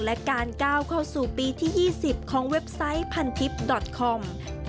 และการก้าวเข้าสู่ปีที่๒๐ของเว็บไซต์พันทิพย์ดอตคอม